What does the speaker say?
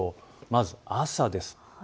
まず朝です。